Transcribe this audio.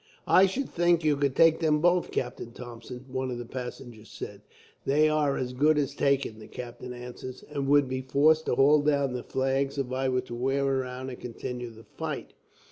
"I should think you could take them both, Captain Thompson," one of the passengers said. "They are as good as taken," the captain answered, "and would be forced to haul down their flags, if I were to wear round and continue the fight.